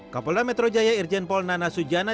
kapolah metro jaya irjenpol nana sujana